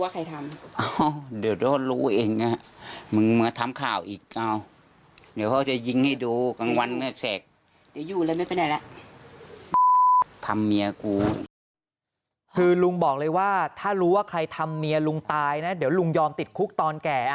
คือลุงบอกเลยว่าถ้ารู้ว่าใครทำเมียลุงตายนะเดี๋ยวลุงยอมติดคุกตอนแก่